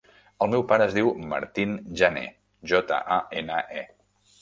El meu pare es diu Martín Jane: jota, a, ena, e.